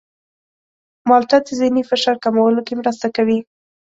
مالټه د ذهني فشار کمولو کې مرسته کوي.